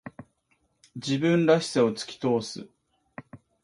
自分らしさを突き通す。